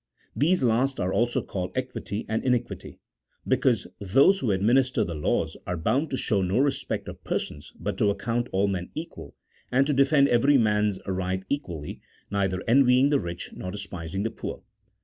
These last are also called equity and iniquity, be cause those who administer the laws are bound to show no respect of persons, but to account all men equal, and to de fend every man's right equally, neither envying the rich nor despising the poor.